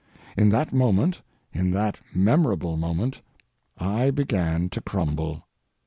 In that moment—in that memorable moment—I began to crumble.